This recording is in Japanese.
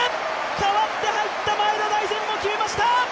代わって入った前田大然も決めました！